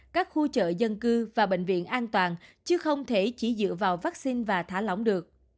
các khu chợ dân cư và bệnh viện an toàn chứ không thể chỉ dựa vào vaccine và thả lỏng được